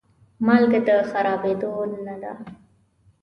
مالګه د خرابېدو نه ده.